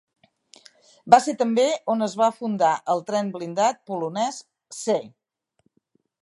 Va ser també on es va fundar el tren blindat polonès C.